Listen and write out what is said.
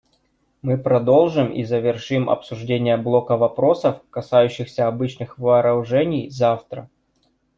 Мы продолжим и завершим обсуждение блока вопросов, касающихся обычных вооружений, завтра.